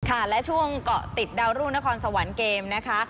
และช่วงเกาะติดดาวรุ่งนครสวรรค์เกมนะคะ